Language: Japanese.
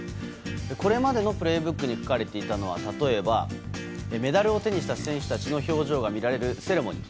これまでの「プレイブック」に書かれていたのは例えば、メダルを手にした選手たちの表情が見られるセレモニー。